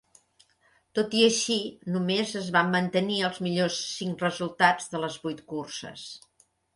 Tot i així, només es van mantenir els millors cinc resultats de les vuit curses.